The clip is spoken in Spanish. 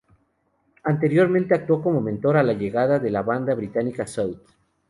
Anteriormente, actuó como mentor a la llegada de la banda británica South.